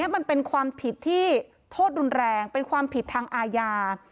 มันเป็นความผิดที่โทษรุนแรงเป็นความผิดทางอาญา